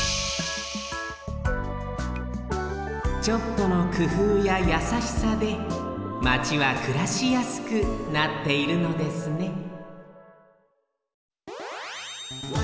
ちょっとのくふうややさしさでマチはくらしやすくなっているのですね